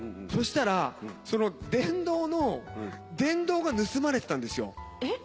そしたらその電動の電動が盗まれてたんですよ。